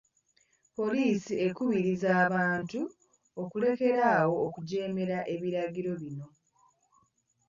Poliisi ekubirizza abantu okulekeraawo okujeemera ebirgiro bino.